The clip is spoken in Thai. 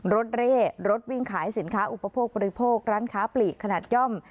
เร่รถวิ่งขายสินค้าอุปโภคบริโภคร้านค้าปลีกขนาดย่อม